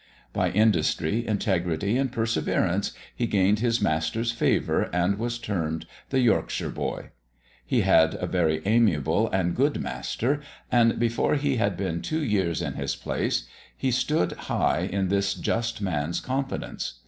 By industry, integrity, and perseverance, he gained his master's favour, and was termed 'the Yorkshire Boy.' He had a very amiable and good master; and, before he had been two years in his place, he stood high in this just man's confidence.